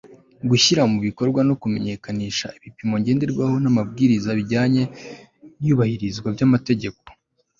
gushyira mu bikorwa no kumenyekanisha ibipimo ngenderwaho n'amabwiriza bijyanye n'iyubahirizwa ry'amategeko